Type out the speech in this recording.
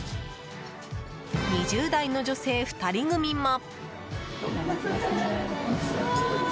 ２０代の女性２人組も。